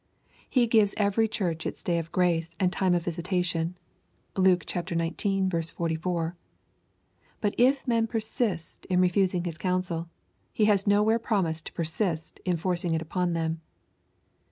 He gives every churcli its day of grace and time of visitation. (Luke xix. 44.) But if men persist in refusing His counsel, He has nowhere promised to persist in forcing it upon them.